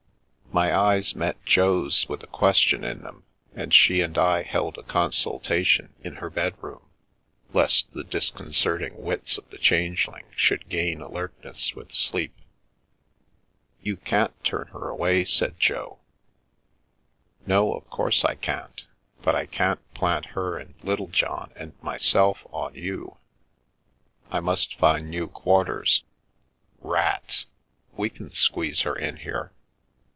My eyes met Jo's with a question in them, and she and I held a consultation, in her bedroom, lest the disconcerting wits of the Changeling should gain alertness with sleep. You can't turn her away," said Jo. No, of course I can't. But I can't plant her and Little John and myself on you. I must find new quar ters." " Rats ! We can squeeze her in here.